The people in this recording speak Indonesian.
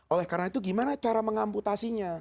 oleh karena itu gimana cara mengamputasinya